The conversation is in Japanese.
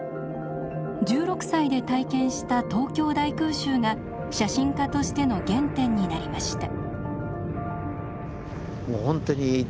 １６歳で体験した東京大空襲が写真家としての原点になりました。